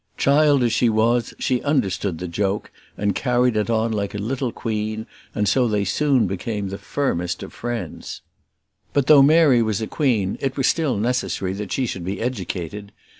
Child as she was, she understood the joke, and carried it on like a little queen; and so they soon became the firmest of friends. But though Mary was a queen, it was still necessary that she should be educated.